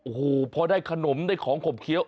โอ้โหพอได้ขนมได้ของขบเคี้ยว